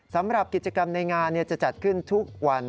สำหรับกิจกรรมในงานจะจัดขึ้นทุกวัน